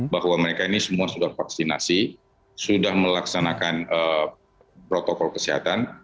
bahwa mereka ini semua sudah vaksinasi sudah melaksanakan protokol kesehatan